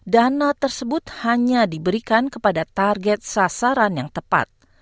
dana tersebut hanya diberikan kepada target sasaran yang tepat